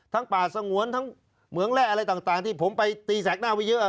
ป่าสงวนทั้งเหมืองแร่อะไรต่างที่ผมไปตีแสกหน้าไว้เยอะ